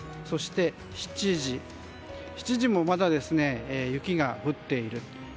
そして、７時でもまだ雪が降っています。